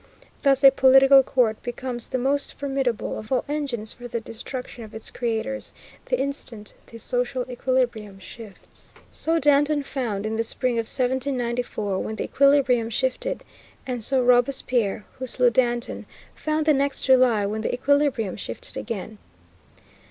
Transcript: Thus a political court becomes the most formidable of all engines for the destruction of its creators the instant the social equilibrium shifts. So Danton found, in the spring of 1794, when the equilibrium shifted; and so Robespierre, who slew Danton, found the next July, when the equilibrium shifted again.